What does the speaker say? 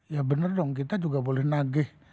ya bener dong kita juga boleh nagih